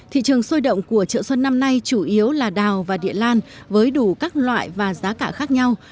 thị trường sôi động của chợ xuân năm nay chủ yếu là đào và địa lan với đủ các loại và giá cả khác nhau